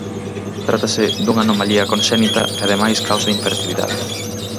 Trátase dunha anomalía conxénita que ademais causa infertilidade.